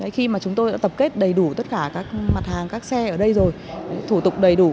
khi mà chúng tôi đã tập kết đầy đủ tất cả các mặt hàng các xe ở đây rồi thủ tục đầy đủ